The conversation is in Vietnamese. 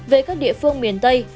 về các địa phương miền tây